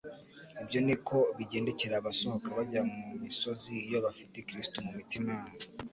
Ibyo niko bigendekera abasohoka bajya mu misozi, iyo bafite Kristo mu mitima yabo.